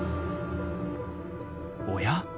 おや？